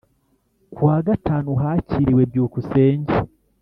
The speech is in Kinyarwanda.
Ku wa gatanu Hakiriwe Byukusenge